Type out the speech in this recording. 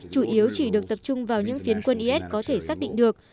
chủ yếu chỉ được tập trung vào những phiến quân is có thể xác định được